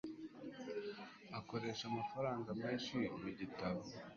akoresha amafaranga menshi mubitabo